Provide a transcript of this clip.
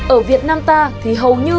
ở việt nam ta thì hầu như